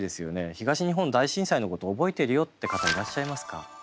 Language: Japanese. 東日本大震災のこと覚えてるよって方いらっしゃいますか？